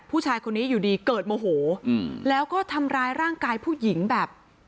ผู้ชายคนนี้อยู่ดีเกิดโมโหแล้วก็ทำร้ายร่างกายผู้หญิงแบบ